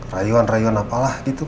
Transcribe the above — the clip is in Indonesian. rayuan rayuan apalah gitu ma